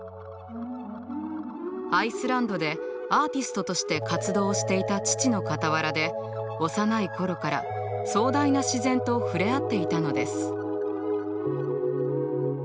アイスランドでアーティストとして活動していた父の傍らで幼い頃から壮大な自然と触れ合っていたのです。